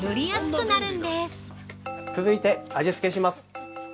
◆続いて味付けします。